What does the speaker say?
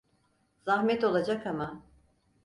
Zahmet olacak ama…